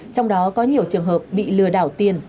trong đó có nhiều trường hợp bị lừa đảo tiền